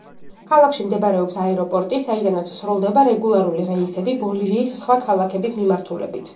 ქალაქში მდებარეობს აეროპორტი, საიდანაც სრულდება რეგულარული რეისები ბოლივიის სხვა ქალაქების მიმართულებით.